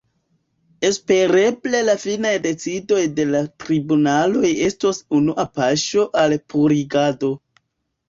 Espereble la finaj decidoj de la tribunaloj estos unua paŝo al purigado.